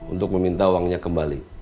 untuk meminta uangnya kembali